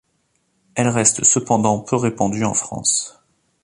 Elle reste cependant peut répandue en France.